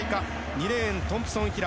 ２レーン、トンプソン・ヒラ。